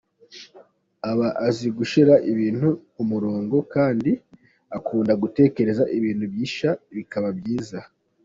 Aba azi gushyira ibintu ku murongo kandi akunda gutekereza ibintu bishya bikaba byiza.